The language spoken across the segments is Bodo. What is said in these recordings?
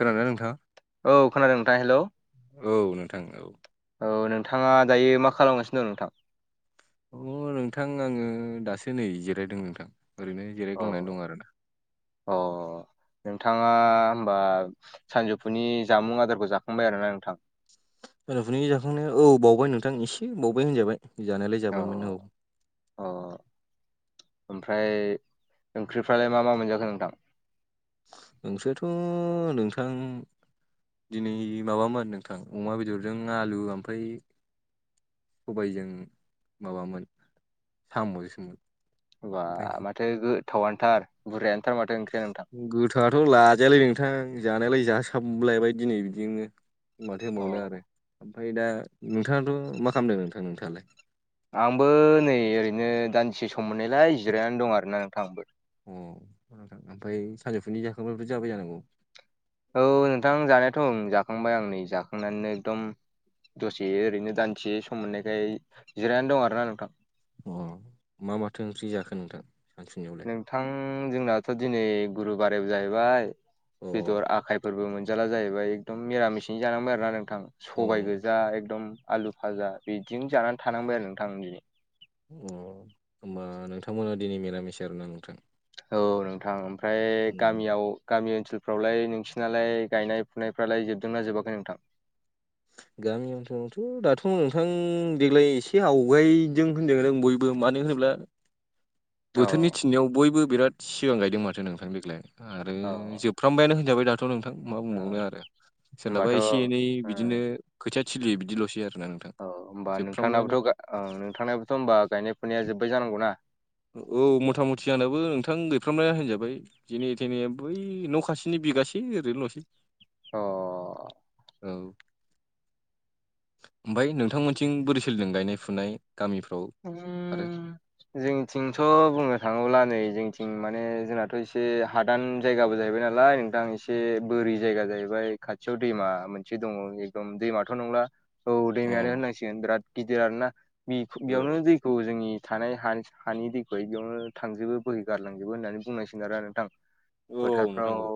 खोनादोंना नोंथाङा? औ खोनादों नोंथां हेलौ औ नोंथां औ औ नोंथाङा दायो मा खालामगासिनो दं नोंथां? अ' नोंथां आङो दासो नै जिरायदों नोंथां ओरैनो अ जिरायग्लांनानै दं आरोना। अ' नोंथाङा होमबा सानजौफुनि जामुं आदारखौ जाखांबाय आरोना नोंथां? सानजुफुनि जाखांनाया औ बावबाय नोंथां एसे बावबाय होनजाबाय जानायालाय अ जाबायमोन औ अ ओमफ्राय ओंख्रिफ्रालाय मा मा मोनजाखो नोंथां ओंख्रिथ' नोंथां दिनै माबामोन नोंथां अमा बेदरजों आलु ओमफ्राय सबायाइजों माबामोन साम'सोमोन होनबा माथो गोथावानोथार बुरायानोथार माथो ओंख्रियाानो नोंथां गोथोआथ' लाजायालै नोंथां। जानायालाय जासाबलायबाय दिनै बिदिनो। माथो अ होनबावनो आरो ओमफ्राय दा नोंथाङाथ' मा खालामदों नोंथां नोंथाङालाय? आंबो नै ओरैनो दानसे सम मोननायलाय जिरायनानै दं आरोना नोंथां। अ' नोंथां ओमफ्राय सानजौफुनि जाखांब्लाथ' जाबाय जानांगौ? औ नोंथां जानायाथ' ओं जाखांबाय आं नै जाखांनानैनो एकदम दसे ओरैनो दानसे सम मोननायखाय जिरायनानै दं आरो ना नोंथां। अ' मा माथो ओंख्रि जाखो नोंथां सानसुनियाव नोंथां जोंनाथ' दिनै गुरु बारायाव जाहैबाय अ बेदर आखाय फोरबो मोनजाला जाहैबाय। एकदम मिरामिसिनि जानांबाय आरोोना नोंथां सबाय गोजा एकदमृ आलु भाजा बिदिनो जानानै थानांबाय आरो नोंथां दिनै। अ' होमबा नोंथां मोनना दिनै मिरामिस आरो ना नोंथां। औ नोंथां ओमफ्राय गामियाव गामि ओनसोलफ्रावलाय नोंसिरनालाय गायनाय फुनायफ्रालाय जोबदोंना जोबाखै नोंथां? गामि ओनसोलावथ' दाथ' नोंथां देग्लाय एसे आवगायदों होनदों बयबो मानो होनोब्ला औ बोथोरनि थिननाययाव बयबो बिराद सिगां गायदों माथो नोंथां दग्लाय। आरो औ जोबफ्रामबायानो होनजाबाय दा थ' नोंथां मा ओ बुंबावनो आरो। सोरनाबा होमबाथ' ओ एसे एनै बिदिनो खोथिया थिलियो बिदिल'सै आरो ना नोंथां। ओमबा जोबफ्रामबायानो नोंथांनाबोथ' गा ओ नोंथांनाबोथ' होमबा गायनाय फुनाया जोबबाय जानांगौ ना? औ मथा मथि आंनाबो नोंथां गैफ्रामनाया होनजाबाय। जेने थेने बै न' खासेनि बिगासे ओरैनोल'सै। अ' औ ओमफाय नोंथांमोनथिं बोरै सोलिदों गायनाय फुनाय गामिफ्राव? आरो उम जोंनिथिंथ' बुंनो थाङोब्ला नै जोंनिथिं माने जोंनाथ' एसे हादान जायगाबो जाहैबाय नालाय नोंथां। एसे बोरि जायगा जाहैबाय खाथियाव दैमा मोनसे दङ। दम दैमाथ' नंला औ अ दैमायानो होनांसिगोन बिराद गिदिर आरो ना मि बिमानो औ दै खौ जोंनि थानाय हानि हानि दैखौहाय बेयावनो थांजोबो बोहै गारलांजोबो होननानै बुंनांसिग आरो नोंथां। औ नोंथां औ फोथारफ्राव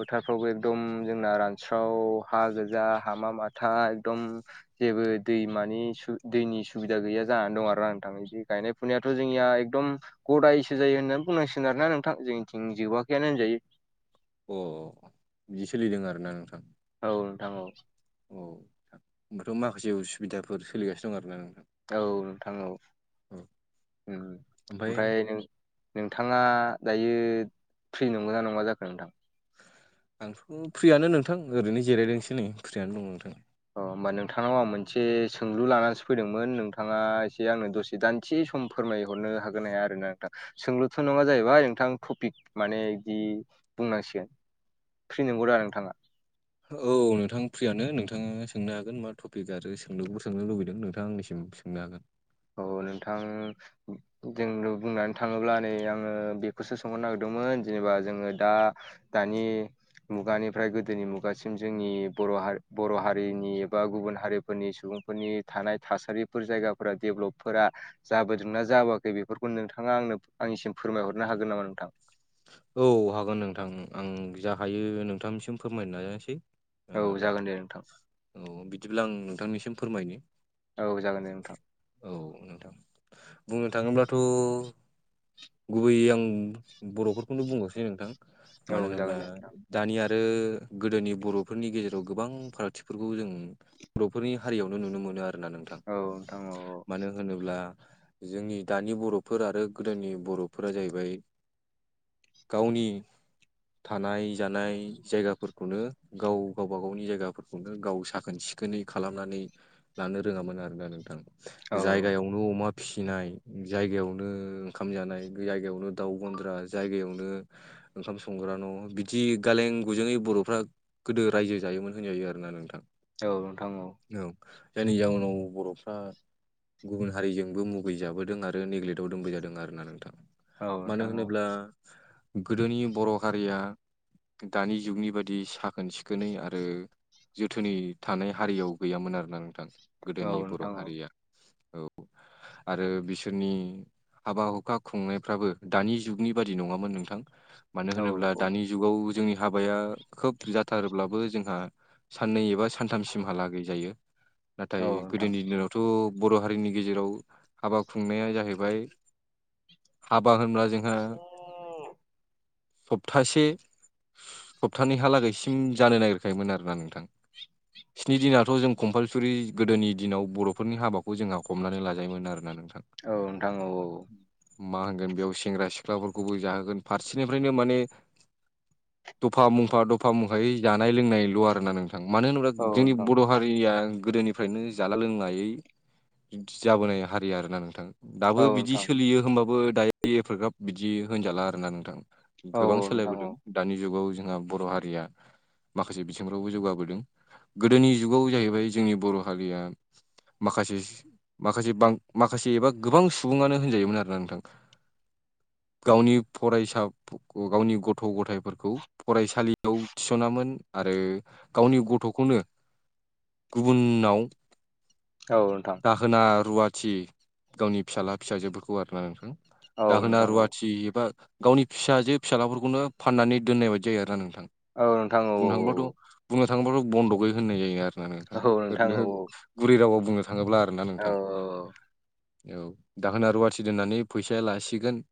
फोथारफ्रावबो एकदम जोंना रानस्राव हा गोजा हामा माथा एकदम जेबो दैमानि सु दैनि सुबिदा गैया। जानानै दं आरो ना नोंथां। जि गायनाय फुनायाथ' जोंनिया एकदम गदायसो जायो होननानै बुंनांसिगोन आरोना नोंथां। जोंनिथिं जोबाखैयानो होनजायो। अ' बिदि सोलिदों आरोना नोंथां। औ नोंथां औ। औ नोंथां होमबाथ' माखासे उसुबिदाफोर सोलिगासिनो आरो ना नोंथां। औ नोंथां औ औ उम ओमफ्राय नों नोंथाङा दायो फ्रि नंगौना नङा जाखो नोंथां? आंथ' फ्रियानो नोंथां ओरैनो जिरायदोंसो नै फ्रियनो दं नोंथां। अ' होमबा नोंथांनाव आं मोनसे सोंलु लानानैसो फैदोंमोन नोंथाङा एसे आंनो दसे दानसे सम फोरमायहरनो हागोन ना हाया आरोना नोंथां? सोंलुथ नङा जाहैबाय नोंथां टपिक माने बिदि बुंनांसिगोन फ्रि नोंगौदा नोंथाङा औ नोंथां फ्रियानो नोंथाङा सोंनो हागोन मा टपिक आरो सोंनो सोंनो लुबैदों नोंथां आंनिसिम ओङा गोन औ नोंथां जों बुंनानै थाङोब्ला नै आङो बेखौसो सोंहरनो नागिरदोंमोन जेनेबा जोङो दा दानि मुगानिफ्राय गोदोनि मुगासिम जोंनि बर हार बर हारिनि एबा गुबुन हारिफोरनि सुबुं फोरनि थानाय थासारिफोर जायगाफोरा डेभ्लपफोरा जाबोदोंना जाबोआखै बेफोरखौ नोंथाङा आंनो आंनिसिम फोरमायहरनो हागोन नामा नोंथां? औ हागोन नोंथां आं जा हायो नोंथांनिसिम फोरमायनो नाजानोसै। औ आरो जागोन दे नोंथां औ बिदिब्ला आं नोंथांनिसिम फोरमायनो औ जागोन दे नोंथां। औ नोंथां। बुंनो थाङोब्लाथ गुबैयै आं बर फोरखौनो बुंगसै नोंथां औ मानो होनोब्ला जागोन दे नोंथां दानि आरो गोदोनि बर‌ फोरनि गेजेराव गोबां फारागथिफोरखौ जों बर फोरनि हारियावनो नुनो मोनो आर ना नों औ नोंथां औ औ होनोब्ला जोंनि दानि बर फोर आरो गोदोनि बर फोरा जाहैबाय गावनि थानाय जानाय जायगाफोरखौनो गाव गावबा गावनि जायगा खौनो गाव साखोन सिखोनै खालामनानै लानो रोङामोन आरोना नोंथां औ जायगायावनो अमा फिसिनाय जायगायावनो ओंखाम जानाय जायगायावनो दाउ गन्द्रा जायगायावनो ओंखाम संग्रा न बिदि गालें गुजुङै बर फ्रा गोदो रायजो जायोमोन होनजायो आरोना नोंथां औ नोंथां औ औ जायनि जउोनाव बरफ्रा गुबुन हारिजोंबो मुगैजाबोदों आरो नेग्लेक्टआव दोनबोजादों आरो ना नोंथाङा औ मानो नोंथां औ होनोब्ला गोदोनि बर हारिया दानि जुगनि बादि साखोन सिखोनै आरो जोथोनै थानाय हारियाव गैयामोन आरोना नोंथां औ गोदोनि बर नोंथां औ हारिया। औ आरो बिसोरनि हाबा हुखा खुंनायफ्राबो दानि जुगनि बादि नङामोन नोंथां मानो औ होनोब्ला औ दानि जुगाव जोंनि हाबाया खोब जाथारोब्लाबो जोंहा साननै एबा सानथामसिमहालागै जायो नाथाय औ नोंथां गोदोनि दिनावथ बर हारिनि गेजेराव हाबा खुंनाया जाहैबाय बा होनब्ला जोंहा सप्तासे सप्तानैहालागैसिम जानो नागिरखायोमोन आर ना नोंथां स्नि दिनाथ जों कम्पाल सुरि गोदोनि दिनाव बर'फोरनि हाबाखौ जोंहा हमनानै लाजायोमोन आरोना नोंथां औ नोंथां औ औ मा होनगोन बेयाव सेंग्रा सिख्लाफोरखौबो जाहोगोन फारसेनिफ्रायनो माने दफा मफा दफा मफायै जानाय लोंनायल आरोना नोंथां मानो होनोब्ला औ जोंनि बर' नोंथां हारिया गोदोनिफ्रायनो जाला लोंलायै जाबोनाय हारि आरोना नोंथां। औ दाबो बिदि नोंथां सोलियो होमबाबो दायो एपाग्राब बिदि होनजाला आरोना नोंथां गोबां औ सोलायबोदों दानि जुगाव जोंहा बर हारिया माखासे बिथिंफ्रावबो जौगाबोदों गोदोनि जुगाव जाहैबाय जोंनि बर हारिया माखासेस माखासे बां माखासे एबा गोबां सुबुङानो होनजायोमोन आरोना नोंथां। गावनि फरायसा गावनि [unintelligible] गथ' गथायफोरखौ फरायसालियाव थिसनामोन। आरो गावनि गथ'खौनो गुबुनाव औ नोंथां। दाहोना रुवाथि गावनि फिसाला फिसाजोफोरखौ आरोना नोंथां। औ दाहोना नोंथां औ नोंथां औ रुवाथि एबा गावनि फिसाजे फिसााजलाफोरखौनो फाननानै दोननाय बायदि जायो आरोा नोंथां औ बुंनो थाङोबाथ बुंनो थाङोबाथ बन्द गै होननाय जायो आरोना नोंथां ओरैनो गुरै रावआव बुंनो थाङोब्ला आरोना औ नोंथां औ दाहोना रुवाथि दोननानै फैसाया लासिगोन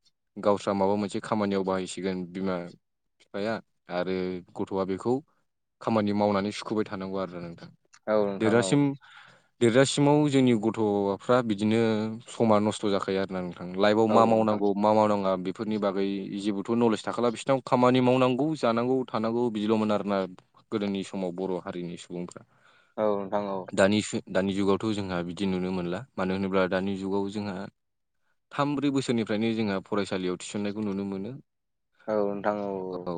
गावस्रा माबा मोनसे खामानियाव बाहायसिगोन बिमा बिफाया आरो गथ आ बेखौ खामानि मावनानै सुखुबाय थानांगौ आरो नोंथां। औ नोंथां औ देरजासिम देरजासि सिमाव जोंनि गथ' फ्रा बिदिनो समा नस्थ' जाखायो आरो नों ओं लाइफआव औ नोंथां औ मा नोंथां मावनांगौ मा मावनाङा बे फोरनि बागै जेबोथ' नलेज थाखाला बिसोरनाव, खामानि मावनांगौ जानांगौ थानांगौ बिदिल'मोन आरोना। गोदोनि समाव बर' हारिनि सुबुंफ्रा। औ नोंथां औ। दानि सु दानि जुगावथ' जोंहा बिदि नुनो मोनला मानो होनोब्ला दानि जुगाव जोंहा थाम ब्रै बोसोरनिफ्रायनो जोंहा फरायसालियाव थिसननायखौ नुनो मोनो। औ नोंथां औ-औ। औ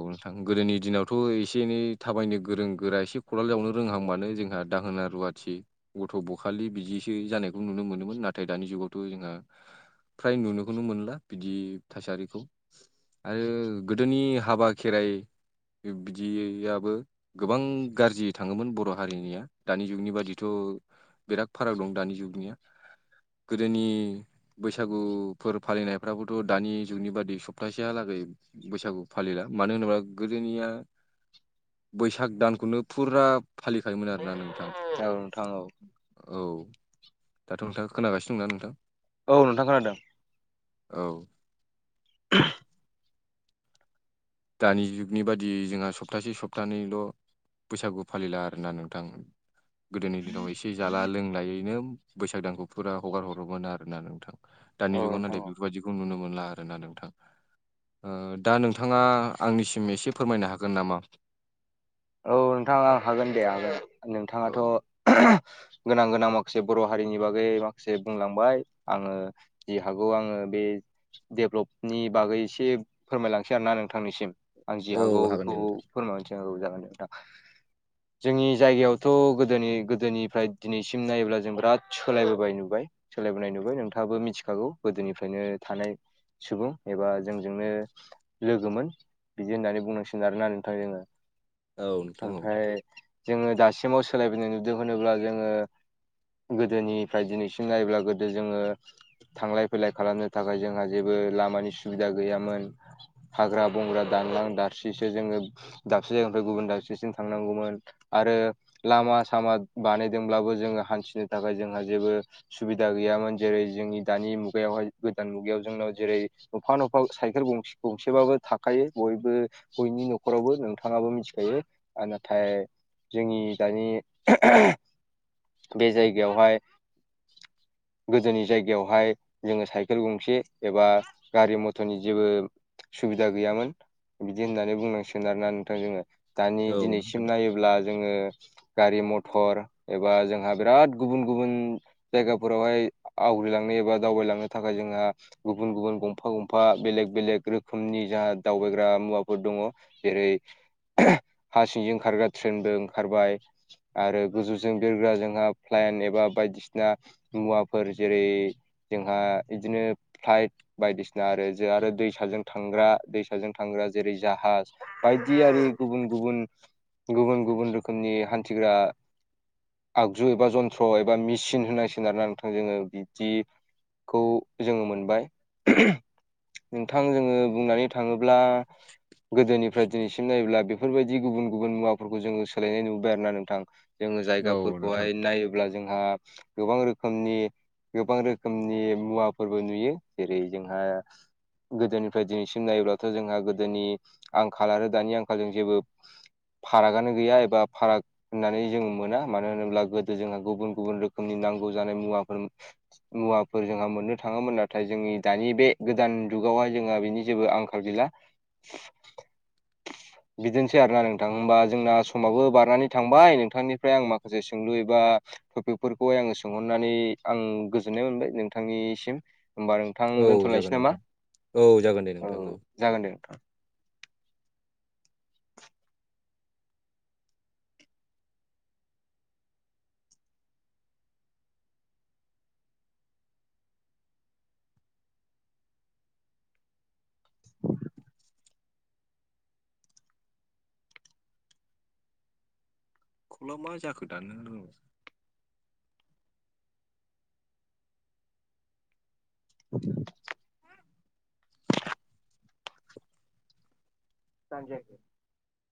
गोदोनि दिनावथ' एसे एनै थाबायनो गोरों गोरा एसे खदल जावनो रोंहांबानो जोंहा दाहोना रुवाथि गथ' ब खालि बिदिसो जानायखौ नुनो मोनोमोन नाथाय दानि जुगावथ' जोंहा फ्राय नुनोखौनो मोनला बिदि थासारिखौ। आरो गोदोनि हाबा खेराइ बिदियाबो गोबां गाज्रि थाङोमोन बर' हारिनिया दानि जुगनि बादिथ' बिराद फाराग दं दानि जुगनिया गोदोनि बैसागुफोर फालिनायफ्राबोथ' दानि जुगनि बादि सप्तासेहालागै बैसागु फालिला मानो होनोब्ला गोदोनिया बैसाग दानखौनो फुरा फालिखायोमोन आरोना नोंथां। [unintelligible] औ नोंथां औ। औ दाथ' नोंथाङा खोनागासिनो दं ना औ नोंथां। नोंथां खोनादों औ। [inaudible] दानि जुगनि बादियै जोंहा सप्तासे सप्तानैल' बैसागु फालिला आरोना नोंथां। गोदोनि दिनाव एसे जाला लोंलायैनो बैसाग दानखौ फुरा हगार हरोमोन आरोना नोंथां। औ दानि जुगाव नोंथां नाथाय औ बेफोरबायदिखौ नुनो मोनला आरोना नोंथां। ओ दा नोंथाङा आंनिसिम एसे फोरमायनो हागोन नामा। औ नोंथाङा आं हागोन दे हागोन औ नोंथाङाथ' गोनां-गोनां माखासे बर' हारिनि बागै माखासे बुंलांबाय आङो जि हागौ आङो बे डेभलपनि बागै एसे फोरमायलांसै आर ना नोंथांनिसिम। आं जि औ हागौ हागोन बेखौ दे नोंथां फोरमायहरनोसै औ जागोन दे नोंथां। जोंनि जायगायावथ' गोदोनि गोदोनिफ्राय दिनैसिम नायोब्ला जों बिराद सोलायबोबाय नुबाय। सोलायबोनाय नुबाय नोंथाङाबो मिथिखागौ गोदोनिफ्रायनो थानाय सुबुं एबा जोंजोंनो लोगोमोन, बिदि होननानै बुंनांसिगोन आरोना नोंथां जोङो। औ नोंथां औ ओमफ्राय जोङो दासिमाव सोलायबोनाय नुदों होनोब्ला जोङो गोदोनिफ्राय दिनैसिम नायब्ला गोदो जोङो थांलाय फैलाय खालामनो थाखाय जोंहा जेबो लामानि सुबिदा गैयामोन। हाग्रा बंग्रा दानलां दारसिसो जोङो दाबसे जायगानिफ्राय गुबुन दाबसेसिम थांनांगौमोन। आरो लामा सामा बानायदोंब्लाबो जोङो हान्थिनो थाखाय जोंहा जेबो सुबिदा गैयामोन जेरै जोंनि दानि मुगायावहाय गोदान मुगायाव जोंनाव जेरै नफा नफा साइखेल गसे गंसेबाबो थाखायो बयबो बयनि न'खरावबो नोंथाङाबो दायो ओ नाथाय जोंनि दानि बे जायगायावहाय गोदोनि जायगायावहाय जोङो साइकेल गंसे एबा गारि मथरनि जेबो सुबिदा गैयामोन बिदि होननानै बुंनांसिगोन आरोना नोंथां जोङो दानि औ नोंथां दिनैसिम नायो अब्ला जोङो गारि मथर एबा जोंहा बिराद गुबुन गुबुन जायगाफोरावहाय आवग्रिलांनो एबा दावबायलांनो थाखाय जोंहा गुबुन गुबुन गंफा गंफा बेलेग बेलेग रोखोमनि जाहा दावबायग्रा मुवाफोर दङ जेरै हा सिंजों ओंखारग्रा ट्रेनबो ओंखारबाय आरो गोजौजों बिरग्रा जोंहा फ्लेन एबा बायदिसिना मुवाफोर जेरै जोंहा बिदिनो फ्लाइट बायदिसिना आरो जो आरो दैसाजों थांग्रा दैसाजों थांग्रा जेरै जाहाज बायदि आरो गुबुन गुबुन गुबुन गुबुन रोखोमनि हान्थिग्रा आगजु एबा जन्थ्र' एबा मेसिन होननांसिगोन आरोना नोंथां जोङो बिदि खौ जोङो मोनबाय नोंथां जोङो बुंनानै थाङोब्ला गोदोनिफ्राय दिनैसिम नायोब्ला बेफोरबायदि गुबुन गुबुन मुवाफोरखौ जोङो सोलायनाय नुबाय आरो ना नोंथां जोङो औ नोंथां जायगाफोरखौहाय नाय योब्ला जोंहा गोबां रोखोमनि गोबां रोखोमनि मुवाफोरबो नुयो जेरै जोंहा गोदोनिफ्राय दिनैसिम नायोब्लाथ' जोंहा गोदोनि आंखाल आरो दानि आंखालजों जेबो फारागआनो गैया एबा फाराग होननानै जों मोना मानो होनोब्ला गोदो जोंहा गुबुन गुबुन रोखोमनि नांगौ जानाय मुवाफोर मुवाफोर जोंहा मोननो थाङोमोन नाथाय जोंनि दानि बे गोदान जुगावहाय जोंहा बिनि जेबो आंखाल गैला [inaudible] बिदिनोसै आरो ना नोंथां होमबा जोंना समाबो बारनानै थांबाय नोंथांनिफ्राय आं माखासे सोंलु एबा टपिकफोरखौहाय आङो सोंहरनानै आं गोजोननाय मोनबाय नोंथांनिसिम होमबा नों थां औ जागोन दोनथ'लायसै नामा नोंथां औ जागोन दे औ नोंथां जागोन दे नोंथां [inaudible] खलआ मा जाखो दाननोनो रोंला [inaudible] ट्रान्जेख